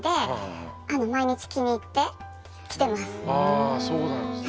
あそうなんですね。